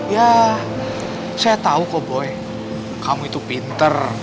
ya saya tahu kok boy kamu itu pinter